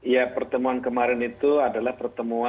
ya pertemuan kemarin itu adalah pertemuan